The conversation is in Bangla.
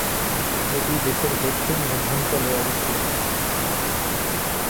এটি দেশের দক্ষিণ-মধ্যাঞ্চলে অবস্থিত।